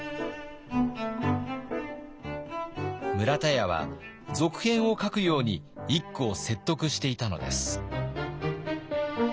村田屋は続編を書くように一九を説得していたのです。